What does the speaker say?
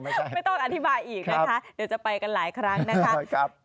ไม่ต้องอธิบายอีกนะคะเดี๋ยวจะไปกันหลายครั้งนะคะ